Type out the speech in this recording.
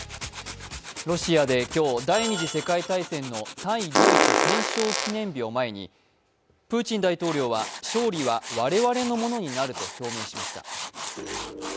ロシアで今日、第二次世界大戦の対ドイツ戦勝記念日を前にプーチン大統領は、勝利は我々のものになると表明しました。